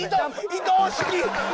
移動式！